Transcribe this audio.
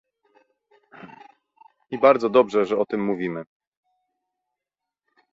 I bardzo dobrze, że o tym mówimy